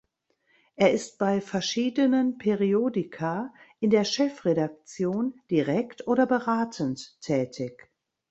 Er ist bei verschiedenen Periodika in der Chefredaktion direkt oder beratend tätig.